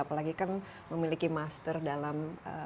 apalagi kan memiliki master dalam